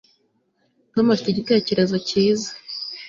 Tom afite igitekerezo cyiza